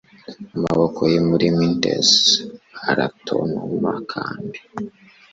amaboko ye muri mittens aratontoma kandi